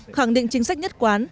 khẳng định chính sách nhất quán